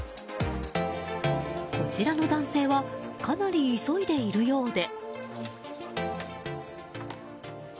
こちらの男性はかなり急いでいるようで。